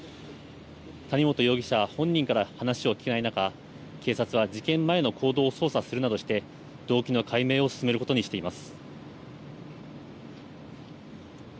谷本容疑者本人から話を聴けない中、警察は事件前の行動を捜査するなどして、動機の解明を進めることにしています。